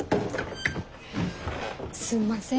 すんません